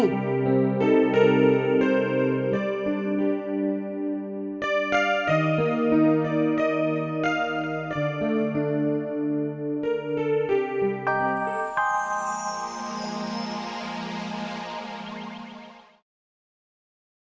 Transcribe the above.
emang kamu aja yang bisa pergi